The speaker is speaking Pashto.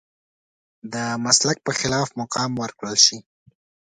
د مسلک په خلاف مقام ورکړل شي.